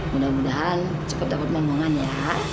mudah mudahan cepet dapet ngomongan ya